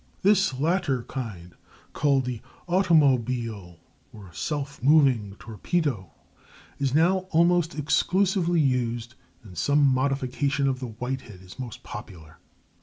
This latter kind, called the automobile (self moving) torpedo, is now almost exclusively used, and some modification of the Whitehead is most popular.